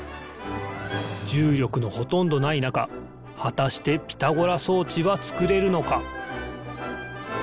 じゅうりょくのほとんどないなかはたしてピタゴラそうちはつくれるのか？